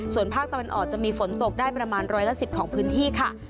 ส่วนภาคตะวันออกจะมีฝนตกได้ประมาณร้อยละ๑๐ของพื้นที่ค่ะ